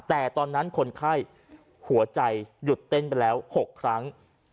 แต่ตอนนั้นคนไข้หัวใจหยุดเต้นไปแล้ว๖ครั้ง